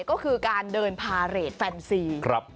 ก็คือการเดินพาเรทแฟนซี